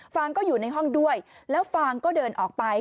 ฟางก็อยู่ในห้องด้วยแล้วฟางก็เดินออกไป